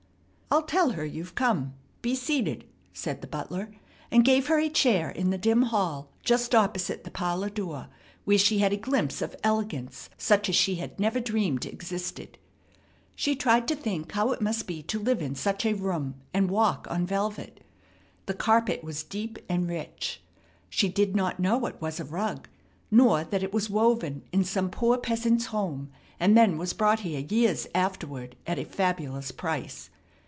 "I'll tell her you've come. Be seated," said the butler, and gave her a chair in the dim hall just opposite the parlor door, where she had a glimpse of elegance such as she had never dreamed existed. She tried to think how it must be to live in such a room and walk on velvet. The carpet was deep and rich. She did not know it was a rug nor that it was woven in some poor peasant's home and then was brought here years afterward at a fabulous price.